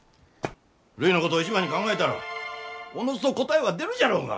るいのことを一番に考えたらおのずと答えは出るじゃろうが！